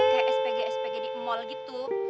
kayak spg spg di mal gitu